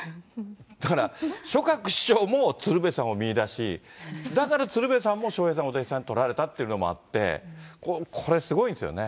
だから、松鶴師匠も鶴瓶さんを見いだし、だから鶴瓶さんも笑瓶さんをお弟子さんに取られたというのもあって、これ、すごいんですよね。